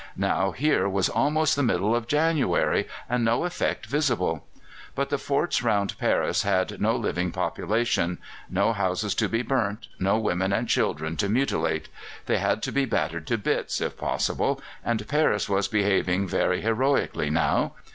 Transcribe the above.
Now here was almost the middle of January, and no effect visible. But the forts round Paris had no living population: no houses to be burnt, no women and children to mutilate. They had to be battered to bits, if possible; and Paris was behaving very heroically now.